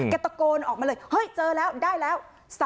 ตะโกนออกมาเลยเฮ้ยเจอแล้วได้แล้ว